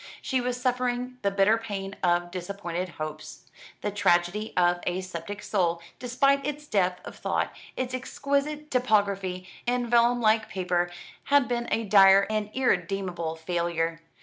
She was suffering the bitter pain of disappointed hopes. "The Tragedy of a Sceptic Soul," despite its depth of thought, its exquisite typography and vellum like paper, had been a dire and irredeemable failure.